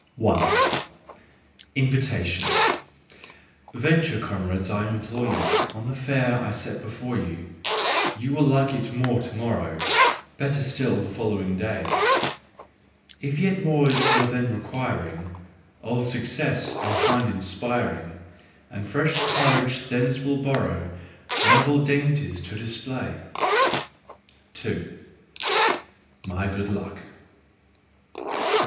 XI I. Invitation . Venture, comrades, I implore you, On the fare I set before you, You will like it more to morrow, Better still the following day: If yet more you're then requiring, Old success I'll find inspiring, And fresh courage thence will borrow Novel dainties to display. 2 . My Good Luck.